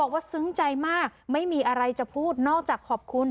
ซึ้งใจมากไม่มีอะไรจะพูดนอกจากขอบคุณ